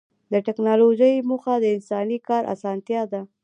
د ټکنالوجۍ موخه د انساني کار اسانتیا ده.